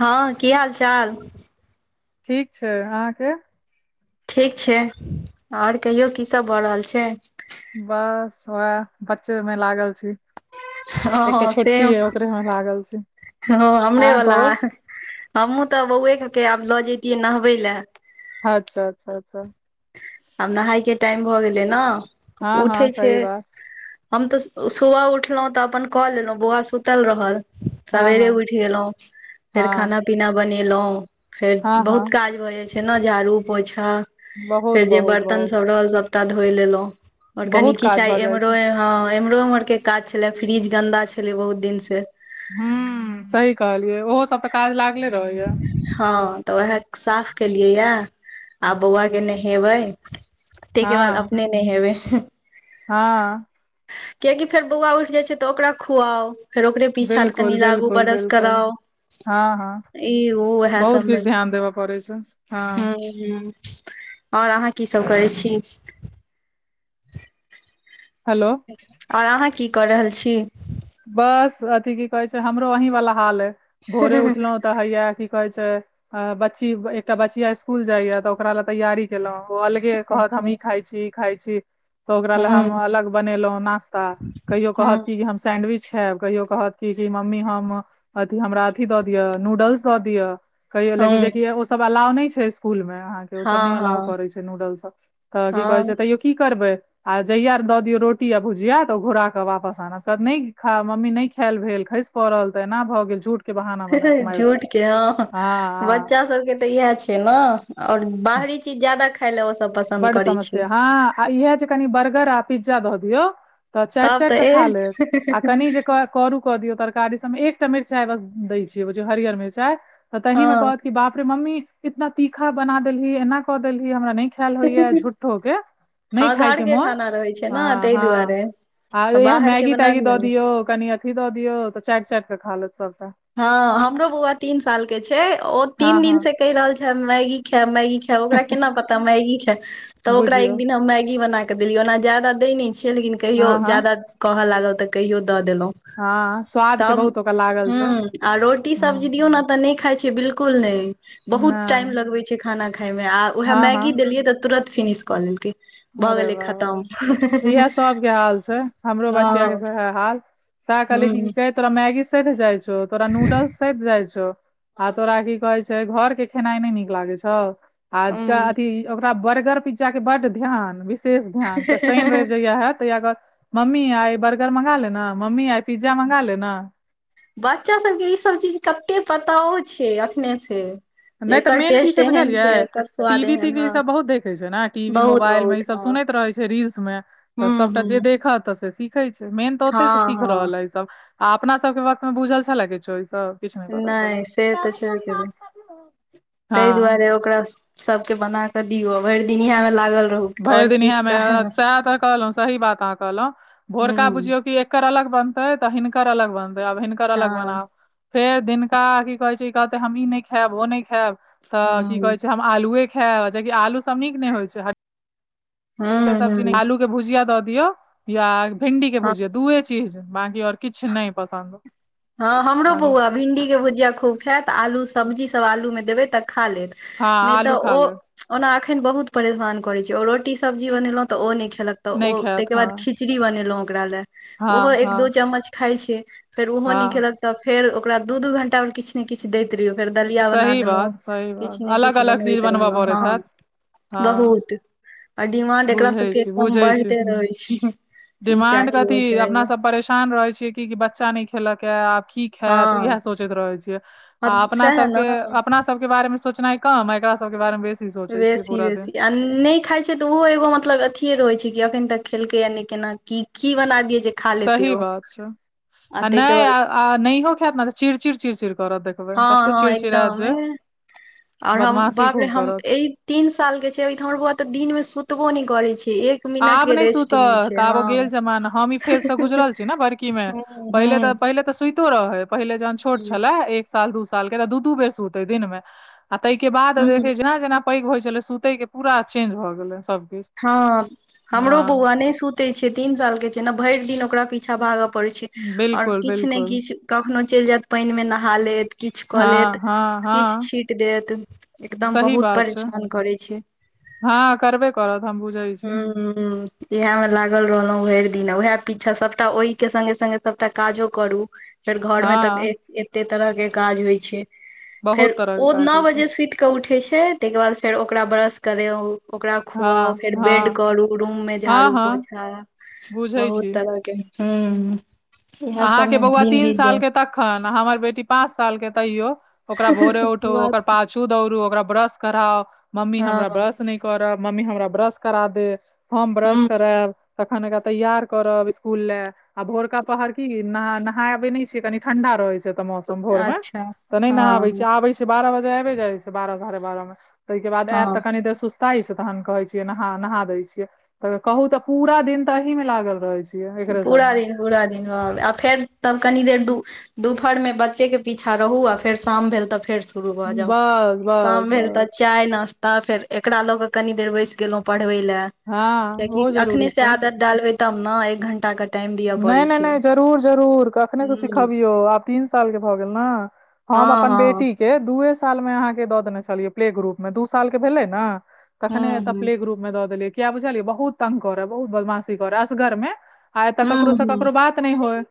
हँ की हाल चाल ठीक छैय अहाँके ठीक छैय आओर कहियौ की सब भऽ रहल छैय बस वएह बच्चे मे लागल छी एकटा हँ छोटकी सेम यै ओकरे मे लागल छी हँ हमरे अहाँ वला कहू हमहुँ तऽ बौएके आब लऽ जैतियै नहबै लए अच्छा अच्छा अच्छा आब नहायके टाइम भऽ गेलै न हँ उठै हँ छैय सही बात हम तऽ सुबह उठलहुं तऽ अपन कऽ लेलहुँ बौआ सुतल रहल हँ सवेरे हँ उठि गेलहुँ फेर हँ खाना पीना बनेलौ फेर हँ हँ बहुत काज भऽ जाय छैय न झाड़ू पोछा बहुत फेर जे बहुत बर्तन बहुत सब रहल सबटा धोय लेलौ और कनी बहुत काज किछु भऽ आई जाइ एमहरो छै एह एम्हरोएमहर के काज छले फ्रीज गन्दा छलै बहुत दिन से हू सही कहलियै ओहो सब तऽ काज लागले रहैया हँ तऽ उएह साफ केलियै या आ बौआ के नहेबै ताहिके बाद अपने नेहेबै हां कियाकि फेर बौआ उठि जाइ छै तऽ ओकरा खुआउ फेर ओकरे पीछा बिल्कुल कनि लागू बिल्कुल ब्रश बिल्कुल कराउ हँ हँ ई ओ उएह सबमे करै छै हँ हां ह आओर अहाँ कीसभ करै छी [inaudible] हेलौ आओर अहाँ की कऽ रहल छी बस अथी की कहे छै हमरो अहीं वाला हाल है भोरे उठलहुं तऽ हैया की कहै छैय बची एक टा बचिया स्कूल जाइ ओक ल तैयारी खेलहुँं ओ अलगे ह कहत हम ह ई खाइ छी ई खाइ छी तऽ ओकरा लए हम ह अलग बनेलहुॅं नास्ता कहियो कहत हँ की हम सैंडविच खाईब कहियो कहत कि मम्मी हम अथी हमरा अथी दऽ दिअ नूडल्स दऽ दिअ कहि लेकि जेकि ओ सब अलाव नहि छै स्कुल मे अहाँके ओ सब नहि अलाव हँ करै छै नूडल सब तऽ की हँ कहे छै तैयो की करबे आ जहिया द दियो रोटी य भुजिया त घुरा के वापस आनत त नहि खा मम्मी नहि खाएल भेल खसि पड़ल तऽ एना भऽ गेल झूठ के बहाना बनायत मारि देत झूठ के हँ हँ बच्चा सबके तऽ इएह छै छै ने आओर हँ बाहरी चीज जादाा खााय लए ओ सब पसन्द बड करै छिय समस्या हँ आ इएह जे कनि बर्गर आ पिज्जा दऽ दियौ तऽ चाटि तब चाटि तऽ केऽ ए खा लेत आ कनि जे करू क दियौ तरकारी सब मे एकटा मिरचाइ बस दै छियै बझ हरियर मिरचा त तहिं हँ म कहत कि बाप रे मम्मी इतना तीखा बना देलही एना क देलही हमरा नहि खाल होइय झूट्ठो के नहि हँ घर खाायके के मोन खाना रहै छै ने हँ ताहि हँ दुआरे आ इह बाहर के मैगी बना तैगी दियौ दऽ ने दियऔ कनि अथी दऽ दियौ तऽ चैट चट कऽ खा लेत सभटा हँ हमरो बौआ तीन साल के छै ओ हँ तीन हँ दिन से कहि रहल छै मैगी ख मैगी ओकरा केना पता मैगी ख त ओकरा एक बुझियौ दिन मैगी बना देलिय ओना ज्यदा दै नहि छियै लेकिन कहियो हँ हँ ज्यादा कहऽ लागल तऽ कहियो दऽ देलहुॅँ हँ स्वाद के बहुत ओकरा ह लागल छै आ रोटी सब्जी हूँ दियऔ ने तऽ नहि खााय छै बिल्कुल नैय बहुत टाइम नहि लगबे छैय खाना खााय मे आ उएह हँ हँ मैगी देलियै तऽ तुरन्त फिनिश कऽ लेलकै भऽ अरे गेलै बाबा खतम रे इएह सबके हाल छै हमरो बचआ सेहा हाल श कहल की हूँ कहै तोरा मैगी सहित जाइ छौ तोरा नूडल्स सहित जाइ छौ आ तोरा की कहे छै घर के खेनाई नहि नीक लागे छौ आजका अथी ओकरा बर्गर पिज्जा के बड्ड ध्यान विशेष ध्यान के शनि रवि जया हैत तगर मम्मी आइ बर्गर मँगा लेना मम्मी आइ पिज्जा मँंगा लेना बच्चा सबके ईसभ चीज कते पताओ छै एखने से नहि तऽ एकर मेन की टेस्ट छै एहन बुझलियै एकर स्वाद टीवी एहन तीवी ई हँ सब बहुत देखे छै ने टीवी बहुत मोबाइल मे ई बहुत सब हँ सुनैत रहे छै रीलस मे तऽ हूँ सबटा जे हूँ देखत त सीखे छै मेन तऽ ओते से हँ सीख हँ रहल ह इ सब आ अपना सब के वक्त मे बुझल छ लग छौ ई सब किछु पता नहि छलए सेहत छै भी गेलल ताहि हँ दुआरे ओकरा सबके बना कऽ दियौ भरि दिनय मे लागल रहु भरि दिन इमे सएह तऽ कहलहुँ सही बात अह कहलहुँ हँ भोरका बुझियौ कि हिनकर अलग बनतै तऽ हिनकर अलग बनतै अब हिनकर अलग हूँ बनाब फेर दिनका की कहे छै कहते हम ई नहि खायब ओ नहि खायब तऽ की कहे हूँ छै छै सब्जी हूँ आलू के भुजिया द दियऔ या भिंडी के हँ भुजिया दूए चीज बाकी आऔर किछु नहि पसन्द हँ हमरो बाकी बौआ भिंडी के भुजिया खूब खायत आलू सब्जी सब आलू मे देबे तऽ खा लेत हँ नहि तऽ आलू खा ओ ले ओना अखन बहुत परेशान करैत छै ओ रोटी सब्जी बनेलहुँ तऽ ओ नहि खेलक तऽ नहि ओ खायत ताहिके हँ बाद खीच खचड़ी बनेलो ओकरा ले ओहो हँ एक हँ दो चम्मच खाय छै फेर ओहो हँ निकेल तऽ फेर ओकरा दू दू घंटा मे किछ किछु ने किछु दैत रहियौ फेर दलिया बना सही देलहुँ बात सही बात किछु ने अलग किछु अलग चीज बनबैत बनबऽ रहलहुँ पड़ैत हँ हैत हँ बहुत आ डिमांड एकरा बुझै सभके एकदम बढ़ते रहै छै ई डिमाण्ड चाही ओ कथी चाही अपनासभ परेशान रहैत छियै कि बच्चा नहि खेलक ह आब की खायत हँ इएह सोचैत रहै छियै आ अपना सएह ने सबके अपना सबके बारे मे सोचनाइ कम एकरा सबके बारे मे बेस बेसी बेसी अनेक खाइ छै तऽ ओहो एगो मतलब अथे रहै छै कि अखन तक खेलकै या नहि केना की बना दिय सही बात छै आ ताहिके नहि बाद नहियो खायत ने त चिड़ चिड़ चिड़चिड़ करत देख हँ हँ एकदम आओर हम बदमाशी बाप रे खूब हम करत ई तीन साल के छै अभ हमर बौआ तऽ दिन में सुतबो नहि करे छै एक मिनट आब के नहि रेस्ट सुतऽ तऽ छै आब ओ हँ गेल जमान हम ई फेजसँ गुजरल छी ने बड़की मे ह पहिले तऽ पहिले तऽ सुइतो रहे है पहिले जहन छोट छले एक साल दू साल ऽ दू दू बेर सुत हे दिन मे आ ताहि के बाद ह ह देखे छै ने जेना पैघ होइ छले सुते के पूरा चेंज भए गेले सब कििछु हँ हमरो बौआ नहि सुते छै तीन साल के छै ने भरि दिन ओकरा प अचछा भागय पड़ै छै आओर बिलकुल किछु ने बिलकुल किछु कखनो चलि जायत पानि मे नहा लेत किछु कऽ हँ लेत हँ हँ किछु छीट देत एकदम सही बहुत बात छै परेशान करै छै हँ करबै करत हम बुझे हँ इएह मे लागल रहलहुँ भरि दिन उएह पीछा सबटा ओहिके सगे सगे सबटा काजो करू फेर घर में हँ तऽ एते तरह के काज होइ छै बहुत फेर तरह के ओ काज नओ होइ छै बजे सुति के उठे छै तहिके बाद फेर ओकरा ब्रश करे ओकरा खुउ हँ फेर बेड हँ करू रूम मे हँ झाड़ू हँ पोछा बुझै बहुत छी तरहके ह अहाँके बौआ तीन सालके तखन आ हमर बेटी पाँच सालके तयो ओकरा भोरे उठो ओकर पाछ छू दौड़ू ओकरा ब्रश कराउ मम्मी हँ हमरा ब्रश नहि करब मम्मी हमरा ब्रश करा दे फॉर्म ब्रश हूं करायब तखन एकरा तैयार करब स्कूल ले आ भोरका पहर न नहबे न छ कनी ठंडा रहे छै ए मौसम भोर मे अच्छा तऽ नहि नहाबे छी हँ आबे छै बारह बजे आबे जाइ छै बारह साढ़े बारह मे तहिके बाद आयत हँ त कनि देर सु्त त छै तहन कहे छियै नहा नहा दै छियै त कहू तऽ पूरा दिन तऽ एही में लागल रहे छै पूरा दिन पूरा दिन रह आ फेर तब कनि देर दू दुपहर मे बच्चे के पीछा रहू आ फेर शाम भेल तऽ फेर शुरू भ जा बस बस शाम भेल तऽ बस चाय नश् तऽ फेर एकरा लऽ कऽ कनी देर बैस गेलहुँ पढ़बै लए हँ कियाकि ओहो अखने जरूरी से छै आदत डालबे तब ने एक घण्टा क नहि नहि नहि जरूर जरूर कखनेसँ हूं सिखबियौ आब तीन सालके भऽ गेल ने हम हँ अपन हँ बेटी के दूए साल मे अहाँके दऽ देने छलियै प्ले ग्रुप मे दू साल के भेलै ने कखने हूं हूं तपले के रूप मे द देलियै किया बुझलियै बहुत तंग कर है बहु बदमाशी कर है असगर मे आ एतऽ ककरो हूं से हूं ककरो बात नहि होइ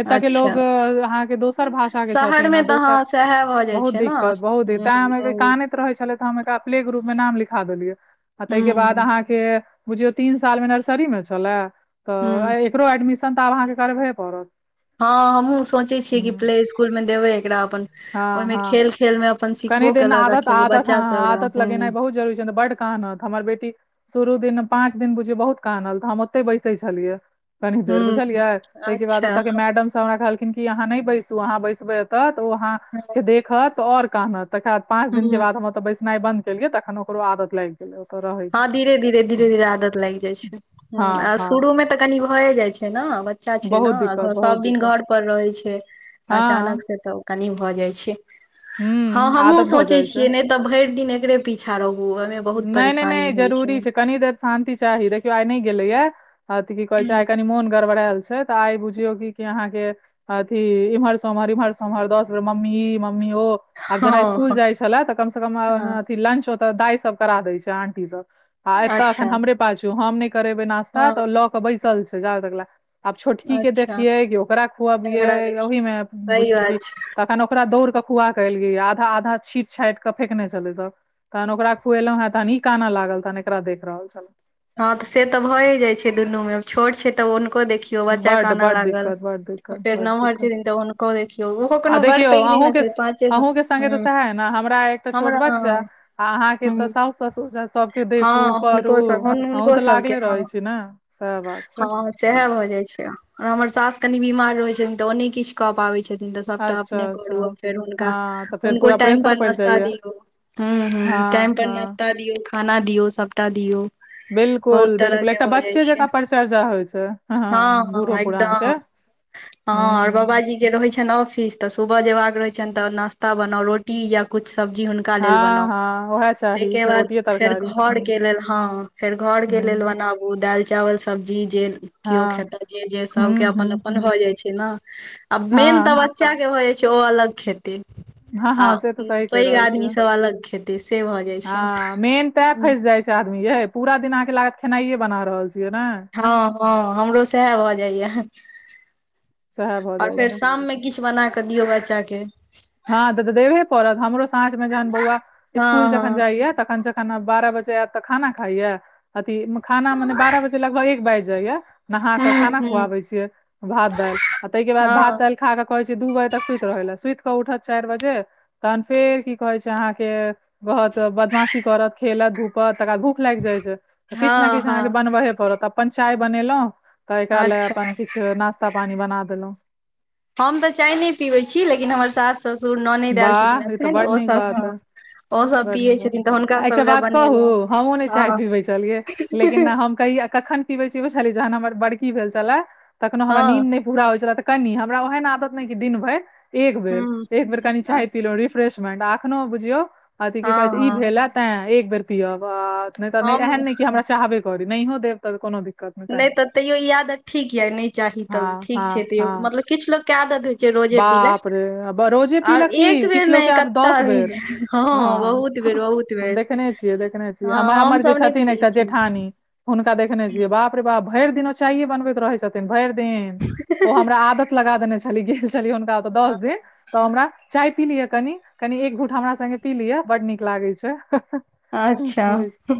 एतऽ के अच्छा लोग अहाँके दोसर भाषा के शहर छथिन मे आ तऽ दोसर हँ सएह भऽ जाइ बहुत छै ने ह दिक्कत बहुत दिकतै ते बहुत हम कह रहै छलै तऽ हम एकरा प्ले ग्रुप मे नाम लिखा देलियै आ ह तहिके बाद ह अहाँके के बुझयो तीन साल मे नर्सरी मे छ्ले त हँ ए एक्रो एडमिसन संनताब अहाँके करबे पड़त हँ हमहुँ सोचे छीयै कि प्ले स्कूल मे देबै एकरा अपन हँ ओहिमे हँ खेल खेलमे अपन कनि सिखबो दिन केलक आ आदत ख आदत हँ बच्चा सब रह आदत ह लगेनाइ बहुत जरूरी छै बड्ड कानत हमर बेटी शुरू दिन पाँच दिन बुझियौ बहुत कानल तऽ हम ओते बैसै छलियै कनी देर बुझलियै तहिके बाद अच्छा ओतऽ के मैडम सब हमरा कहलखिन कि अहाँ नहि बैसू अहाँ बैसबै ओ ह अहाँके देखत ओर कहनत त बाद पाँच दिन के बाद हम तऽ बैसनाइ बन्द केलिय तखन ओकरो आदत लाग गेल लोक रहैै हँ धीरे धीरे धीरे धीरे आदत लाग जाइ छै हँ आ हँ शुरू में तऽ कनी भए जाइ छै ने बच्चा छै बहुत दिक्कत ने बहुत सब दिन दिक्कत घर पर रहै छै अचानक हँ से तऽ कनी भऽ जाइ छै हँ हूँ हमहुँ आदत भऽ सोचै जाइ छै छियै नहि तऽ भैर दिन एकरे पीछा रहू ओहिमे बहुत नहि परेशान नहि नहि जरूरी छै कनि देर शान्ति चाही देखियौ आइ नहि गेलैया आ ती की कहे छै हँ आई कनी मोन गबड़ायल छै त आइ बुझियो क अहाँ के अथि इम्हर सोमहर इमहर सोहर दस बेर मम्मी म मम्मी औ जेना स्कुल हँ जा छल कम हँ क लंच ओते दाई सब करा देय छै आंटी सब आ एते अच्छा अखन हमरे पाजू हम ने करेबे न ्ता हँ तऽ लऽ कऽ बैसल छै जाब तकला आब छोटकी के अच्छा देखियै कि ओकरा खुअबियए झगड़ा देखियौ ओहि मे बुझ सही बात छै कनि ओकरा दौड़ क कुआ कलेलिय आधा आधा छींट छाट कऽ फेकने चलै सब तहन ओकरा खुएलहुॅ हें तहन ह ई कानना लागल तहन एकरा देख रहल छल हँ तऽ से तऽ भए जाय छै दुनू में छोट छै तऽ हनको देखिय बड बड्ड दिक्कत बड डिक्कत फेर बड नमहर दिक्कट छथिन तऽ हुनको देखियौ ओहो आ कोनो बड़ देखियौ पैघ नहि ने अहौके छै पाँचे साल अहौके सङ्गे तऽ हँ सएह है ने हमरा एकटा छोट हमरा बच्चा आहाँ के तऽ हँ साउ ससुर सब के हँ देखू करू हुनको सब अहू हुनको तऽ सबके लागले रहै हँ छी ने सएह बात छै हँ सएह भए जाय छै आ हमर सास कनी बीमार रहय छनि तऽ ओ नै किछु कऽ पाबै छै छथिन तऽ सबटा अपने अच्छा अच्छा करु फेर हुनका हँ तऽ फेर हुनको पूरा टाइम प्रेशर पर पड़ि नाश्ता जाइया दियउ हूँ हूँ हँ टाइम पर हँ नाश्ता दियऔ खाना दियऔ सबटा दियऔ बिलकुल बिलकुल एकटा बच्चे जकाँ परिचर्या होइ छै हँ बूढ़ो हँ पुरान के एकदम हँ हूँ बाबाजी के रहे छै छनि ऑफिस तऽ सुबह जेबाक रहय छनि तऽ नास्ता बनाउ रोटी या कुछ सब्जी हुनका का लेल हँ बनाउ हँ उएह तय चाही के बाद रोटिये फेर तरकारी घर हूँ के लेल हँ फेर घरके लेल हुं बनाबू दालि। चावल सब्जी जे केओ हँ खयतह जे सभके हुं हुं अपन-अपन हुं भऽ जाइ छै ने। आ मेन तऽ, हँ बच्चाके हो जाइ छै, ओ अलग खेती हँ, हँ। से तऽ सही कहि रहल छियै खेतै से भऽ जाइ छै हँ, मेन ते फैस जाइ छै आदमी ये। पूरा दिन अहाँकेँ लागत खेनाइयए बना रहल छियै ने। हँ, हँ। हमरो सएह भऽ जाइए सएह भऽ आ जाइ फेर छै शाममे किछु बनाके दियौ बच्चाके हँ, तऽ देबे पड़त हमरो साँझमे जहन बौआ हँ स्कूल जखन हँ जाइय तखन जख। खाना बारह बजे आयत तऽ खाना खाइया अथि खाना मने बारह बजे लगभग एक बाजि जाइया। नहा कऽ हूँ खाना हूँ खुआबे छियै, भात दालि आ तयके बाद भात हँ दालि। खा कऽ कहै छी दू बजे तक सुति रहै लए सुति कऽ उठत चारि बजे। तहन फेर की कहै छै, अहाँकेँ बहुत बदमाशी करत खेलत धूपत तकर बाद भूख। लागि जाइ छै, तऽ किछु ने हँ किछु हँ अहाँके बनबैहे पड़त अपन चाय बनेलहुँ। तऽ, एकरा लए अच्छा अपन, किछु नाश्ता पानी बना देलहुँं। हम तऽ चाय नहि पीबै छी, लेकिन हमर सास ससुर ननैद आयल छथिन वाह, ई तऽ एखन बड़ ओ नीक सब बात, हँ ओ सब बड़ पियै नीक, छथिन तऽ हुनका सब एकटा लए बात बनेलहुँ कहू हमहुँ नहि चाय हँ पीबैत छलियै लेकिन न हम। कहिया कखन पबे छीयै जहन हमर बड़की भेल छला तखन हमरा हँ नीन नहि। पुरा होय छला तऽ कनी हमरा ओहन आदत नहि दिन भरि एक बेर हूँ एक बेर कनि चाय। रिफ्रेश मैंड अखनो बुझियौ अथि की कहै हँ छै ई हँ भेल तै एक बेर पियब आ। नहि तऽ नहि हम एहन नहि कि हमरा चाहबे करी। नहियो देब तऽ कोनो दिक्कत नहि तऽ तैयो ई आदत ठीक यऽ, नहि चाही तब हँ ठीक छै, हँ तैयो हँ मतलब किछु लोकके आदत होइ। छै रोजे पी लैत बाप रे, आ रोजे पीलक एक की, बेर किछु लोक नहि आयत कत्ता दस बेर हँ, बहुत बेर बहुत हम बेर देखने छियै, देखने छियै, हँ हम हमर जे हमसभ नहि छथिन पियै एकटा छी जेठानी। हुनका देखने छियै, बाप रे बाप, भरि दिन ओ चाइए बनबैत रहै छथिन। भरि दिन ओ हमरा आदत लगा देने छली, गेल छली हुनका ओतऽ दस दिन। तऽ हमरा, चाय पी लिय कनि कनि एक भूट हमरा संग्गे पी लिय बड्ड नीक लागे छै। ह अच्छा, हू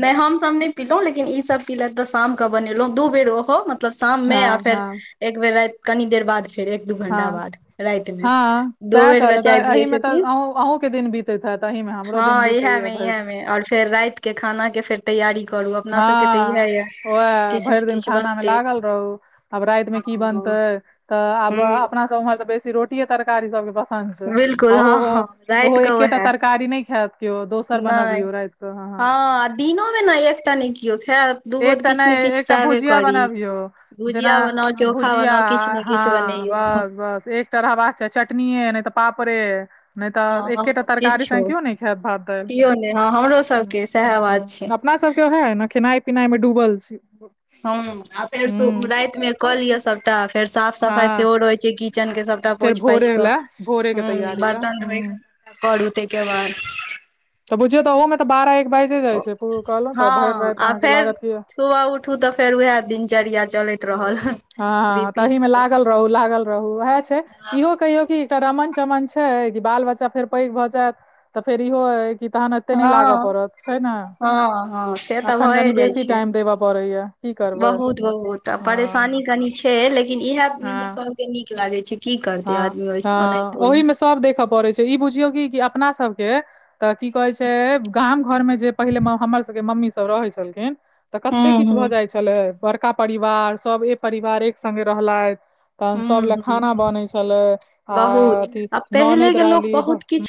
नहि हम सभ नै पीलहुँ लेकिन ई सब्ब पीलथि तऽ शामकऽ बनेलहुँ दू बेर ओहो मतलब शाममे हँ आ फेर हँ एक बेर, राति कनी देर बाद। फेर एक दू घण्टा हँ, बाद रातिमे हँ, दो सएह बेर के कहलहुँ चाय तऽ पियै एहिमे तऽ छथिन अहूँ अहूँकेँ दिन बीत। बितैत हैत ताहिमे हमरो दिन बितय भरि दिन आओर फेर रातिके खानाके फेर तैयारी करू अपना सबके तऽ इएह हँ, ये वैह किछु ने भरि दिन किछु खानामे बनतै लागल रहू। आब रातिमे की हँ बनतय तऽ आब ह अपना सभ उम्हर सब्ब बेसी रोटीय तरकारी सभके ब बिलकुल आ ओहो हँ हँ ओहो राति के एकेटा उएह तरकारी नहि खायत। कयो दोसर बनबीयै राति कऽ, हँ। दिनोमे न एकटा नहि कियो खायब। एकटा नहि, एकटा भुजिया बनबियौ जेना भुजिया बनाउ चोखा भुजिया बनाउ किछु ने किछु हँ, बनैयौ बस बस एकटा रहबाक चाही, चटनीए नहि तऽ पापड़े नै हँ तऽ हँ एकेटा तरकारीसँ किछो केओ नइ खायत भात दालि। कियो नहि हँ हमरो सबके सएह बात छै अपना सभके उह ने खेनाइ पिनाइमे डूबल छी हू, आ हुँ फेरसे रातिमे कऽ लिय सभटा फेर साफ सफाई हँ सेहो रहै छै, किचनके सभटा फेर पोछ पाछि भोरे कऽ, लए भोरे के ह, तैयारी लए बर्तन धोएकऽ करू तइके बाद। तऽ बुझियौ, ओहोमे तऽ बारह एक बाजि जाइ छै कहलहुँ तऽ भरि हँ राति आ अहाँकेँ फेर लागत जे सुबह उठू तऽ फेर उएह दिनचर्या चलैत रहल। ह हँ, तहिमे लागल रहू लागल रहू वएह छै, इहो कहियौ कि रमन चमन छै, कि बाल बच्चा फेर पैघ भऽ जायत तऽ फेर इहो। कि तहन एते नइ लागऽ हँ पड़त छै, न हँ हँ से तऽ अखन भए कनी जाइ बेसी छै टाइम देबऽ पड़ैया। की करबै बहुत, बहुत, आ हँ परेशानी कनि छै, लेकिन इएह हँ सभके नीक लागै छै। की करत आदमी ओ नहितो मे सब देखऽ पड़ै छै ई बुझियौ कि कि अपना सब के तऽ कि कहैत छै गाम घर मे जे पहिले हमर सभ के मम्मी सभ रहै छलखिन तऽ कते हूं किछु भऽ हूं जाइ छलै बड़का परिवार सबे परिवार एक सङ्गे रहलथि तहन सब ले हूं हूं खाना बनै छले आ बहुत अथी आ पहिले ननैद के लोक रहली बहुत किछ